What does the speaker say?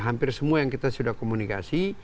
hampir semua yang kita sudah komunikasi